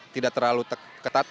tidak terlalu ketat